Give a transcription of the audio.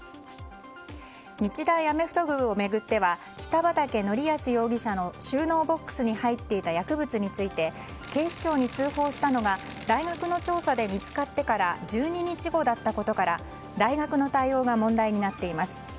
日大アメフト部を巡っては北畠成文容疑者の収納ボックスに入っていた薬物について警視庁に通報したのが大学の調査で見つかってから１２日後だったことから大学の対応が問題になっています。